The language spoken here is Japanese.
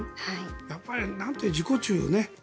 やっぱり、自己中。